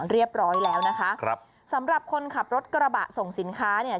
เรียบร้อยแล้วนะคะครับสำหรับคนขับรถกระบะส่งสินค้าเนี่ย